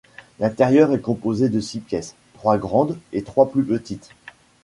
L'intérieur est composé de six pièces, trois grandes et trois plus petites.